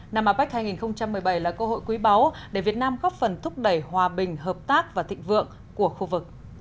năm apec hai nghìn một mươi bảy là cơ hội quý báu để việt nam góp phần thúc đẩy hòa bình hợp tác và thịnh vượng của khu vực